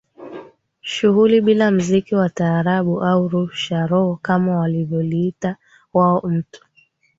Shughuli bila mziki wa taarabu au rusha roho kama wanavyoliita wao mtu